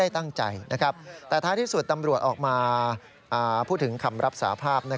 ตั้งใจแต่ท้ายที่สุดตำรวจออกมาพูดถึงคำรับสาภาพ